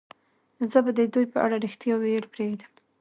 زه به د دوی په اړه رښتیا ویل پرېږدم